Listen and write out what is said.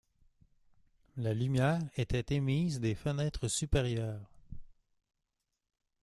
La lumière était émise des fenêtres supérieures.